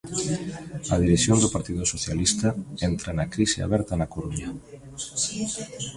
A dirección do Partido Socialista entra na crise aberta na Coruña.